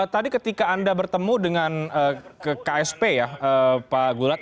tadi ketika anda bertemu dengan ksp ya pak gulat